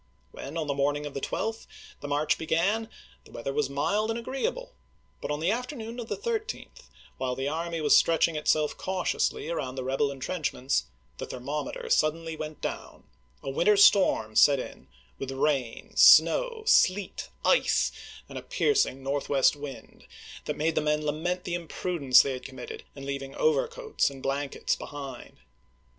When, on the morning of the 12th, the march began, the weather was mild and agreeable; but on the afternoon of the 13th, while the army was stretching itself cautiously around the rebel intrenchments, the thermometer suddenly went down, a winter storm set in with rain, snow, sleet, ice, and a piercing northwest wind, that made the men lament the imprudence they had committed in leaving overcoats and blankets behind.